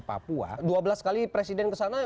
papua dua belas kali presiden kesana